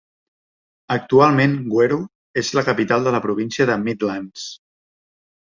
Actualment Gweru és la capital de la província de Midlands.